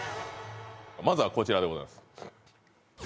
まずはこちらでございます